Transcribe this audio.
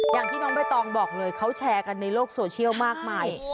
อย่างที่น้องใบตองบอกเลยเขาแชร์กันในโลกโซเชียลมากมาย